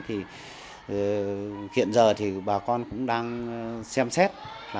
hiện giờ thì bà con cũng đang xem xét